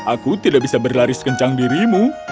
aku tidak bisa berlari sekencang dirimu